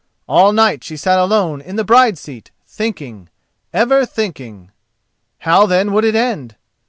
All night she sat alone in the bride's seat thinking—ever thinking. How, then, would it end?